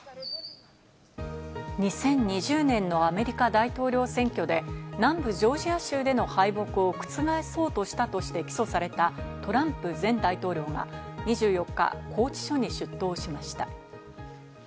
２０２０年のアメリカ大統領選挙で、南部ジョージア州での敗北を覆そうとしたとして起訴されたトランプ前大統領が２４日、拘置所に出頭しました。